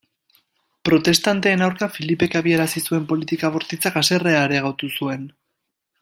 Protestanteen aurka Filipek abiarazi zuen politika bortitzak haserrea areagotu zuen.